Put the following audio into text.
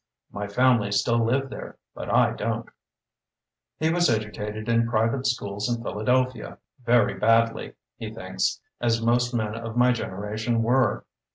My family still live there, but I don't." He was educated in private schools in Philadelphia, "very badly", he thinks, "as most men of my generation were".